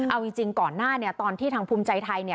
เอาจริงก่อนหน้าตอนที่ทางภูมิใจไทย